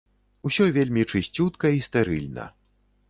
Усё вельмі чысцютка і стэрыльна.